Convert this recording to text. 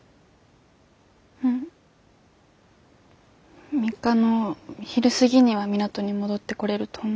うん３日の昼過ぎには港に戻ってこれると思うって。